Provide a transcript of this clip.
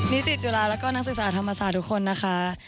นิสิตจุฬาแล้วก็นักศึกษาธรรมศาสตร์ทุกคนนะคะ